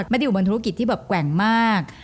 อยู่บนธุรกิจที่แบบแกว่งมาก